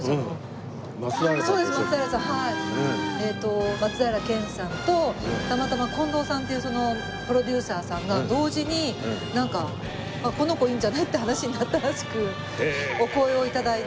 えっと松平健さんとたまたまコンドウさんっていうプロデューサーさんが同時になんかこの子いいんじゃない？って話になったらしく。